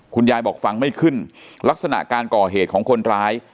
คุณยายบอกฟังไม่ขึ้นลักษณะการก่อเหตุของคนร้าย